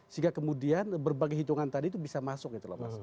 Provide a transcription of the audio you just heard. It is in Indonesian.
sehingga kemudian berbagai hitungan tadi itu bisa masuk